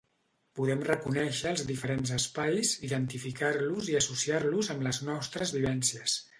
Podem reconèixer els diferents espais, identificar-los i associar-los amb les nostres vivències.